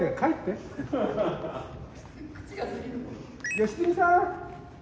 良純さん。